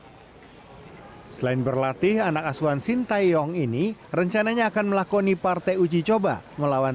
hai selain berlatih anak asuhan sintai yong ini rencananya akan melakoni partai uji coba melawan